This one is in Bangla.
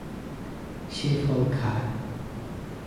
সে ফল খায়।